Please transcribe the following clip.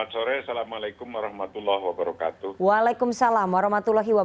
selamat sore assalamualaikum wr wb